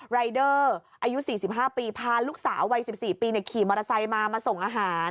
รายเดอร์อายุ๔๕ปีพาลูกสาววัย๑๔ปีขี่มอเตอร์ไซค์มามาส่งอาหาร